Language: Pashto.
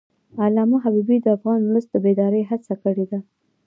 علامه حبیبي د افغان ولس د بیدارۍ هڅه کړې ده.